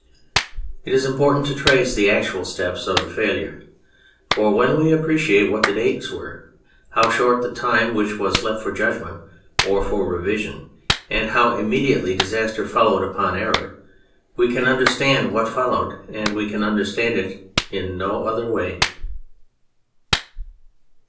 It is important to trace the actual steps of the failure; for when we appreciate what the dates were, how short the time which was left for judgment or for revision, and how immediately disaster followed upon error, we can understand what followed and we can understand it in no other way.